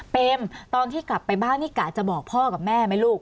ตอนที่กลับไปบ้านนี่กะจะบอกพ่อกับแม่ไหมลูก